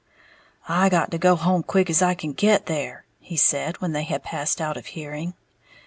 "I got to go home quick as I can get there," he said, when they had passed out of hearing.